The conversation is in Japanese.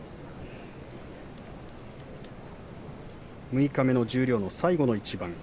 六日目の十両、最後の一番。